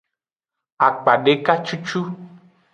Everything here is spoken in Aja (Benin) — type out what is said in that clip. Akpadeka cucu.